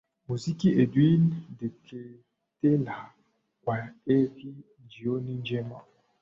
muziki edwin deketela kwa heri jioni njema